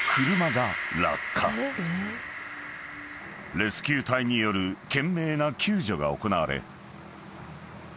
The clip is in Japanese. ［レスキュー隊による懸命な救助が行われ］